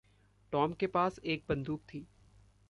Tom के पास एक बंदूक थी।